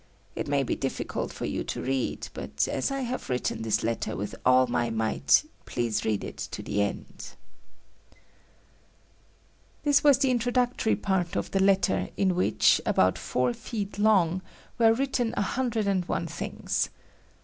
It may be difficult for you to read, but as I have written this letter with all my might, please read it to the end." This was the introductory part of the letter in which, about four feet long, were written a hundred and one things.